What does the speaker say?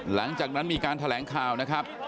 หลังจากนั้นมีการแถลงข่าวนะครับ